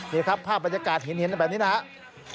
นี่ครับภาพบรรยากาศเห็นแบบนี้นะครับ